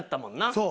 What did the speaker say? そう。